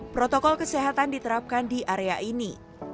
protokol kesehatan diterapkan di area ini